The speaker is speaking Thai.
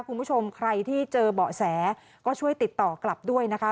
คุณผู้ชมใครที่เจอเบาะแสก็ช่วยติดต่อกลับด้วยนะคะ